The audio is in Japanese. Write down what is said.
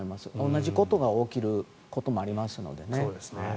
同じことが起きることもありますのでね。